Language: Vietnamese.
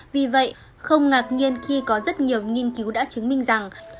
vì vậy không ngạc nhiên khi có rất nhiều nghiên cứu đã chứng minh rằng